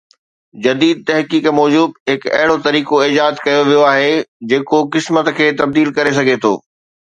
جديد تحقيق موجب هڪ اهڙو طريقو ايجاد ڪيو ويو آهي جيڪو قسمت کي تبديل ڪري سگهي ٿو